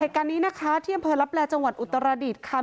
รายการนี้นะคะเที่ยมพระรับแหลจังหวัดอุตรศาสตร์อุตรศาสตร์ระดิษฐ์ค่ะ